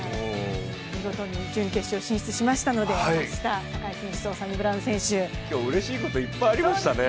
見事に準決勝進出しましたので、坂井選手とサニブラウン選手。今日うれしいこといっぱいありましたね。